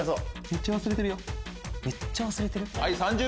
めっちゃ忘れてるよ。